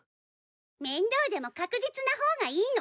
面倒でも確実な方がいいの。